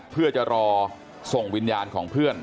เพื่อจะรอส่งวิญญาณของเพื่อน